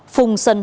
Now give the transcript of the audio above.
phùng sân hai